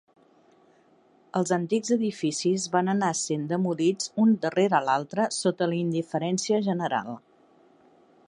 Els antics edificis van anar sent demolits un darrere l'altre sota la indiferència general.